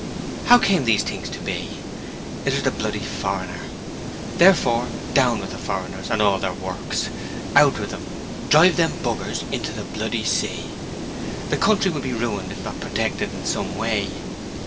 How came these things to be? It was the bloody foreigner! Therefore, down with the foreigners and all their works. Out with them. Drive them b s into the bloody sea! The country would be ruined if not protected in some way.